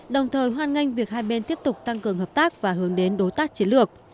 đồng thời hoan nghênh việc hai bên tiếp tục tăng cường hợp tác và hướng đến đối tác chiến lược